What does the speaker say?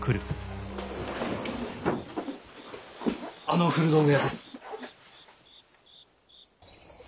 あの古道具屋です。